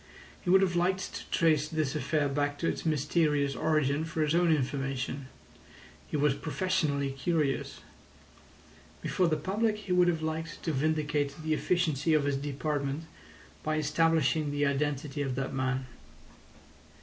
He would have liked to trace this affair back to its mysterious origin for his own information. He was professionally curious. Before the public he would have liked to vindicate the efficiency of his department by establishing the identity of that man.